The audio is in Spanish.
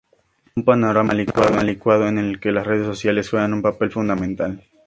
Un panorama licuado en el que las redes sociales juegan un papel fundamental.